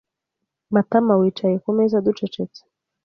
Matamawicaye kumeza ducecetse.